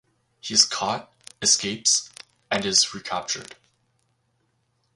He is caught, escapes, and is recaptured.